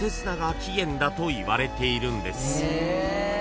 ［だといわれているんです］